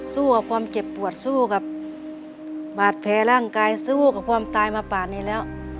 สู้กับความเจ็บปวดสู้กับบาดแผลร่างกายสู้กับความตายมาป่านี้แล้ว